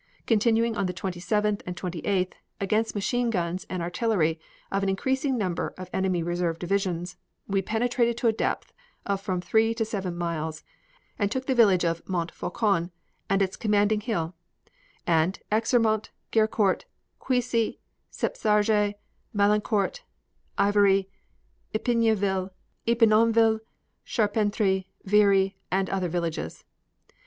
Continuing on the 27th and 28th, against machine guns and artillery of an increasing number of enemy reserve divisions, we penetrated to a depth of from three to seven miles, and took the village of Montfaucon and its commanding hill and Exermont, Gercourt, Cuisy, Septsarges, Malancourt, Ivoiry, Epinonville, Charpentry, Very, and other villages.